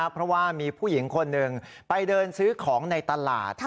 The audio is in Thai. เพราะว่ามีผู้หญิงคนหนึ่งไปเดินซื้อของในตลาด